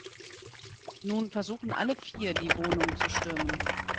Nun versuchen alle vier die Wohnung zu stürmen.